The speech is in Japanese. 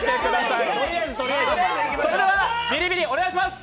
それではビリビリお願いします。